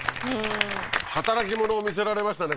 働き者を見せられましたね